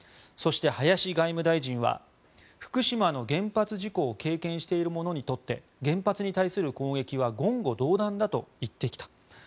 そして、林外務大臣は福島の原発事故を経験している者にとって原発に対する攻撃は言語道断だと言ってきた。